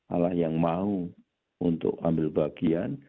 alah yang mau untuk ambil bagian